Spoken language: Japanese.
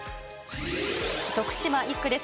徳島１区です。